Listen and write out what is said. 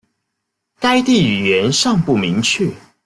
该地语源尚不明确。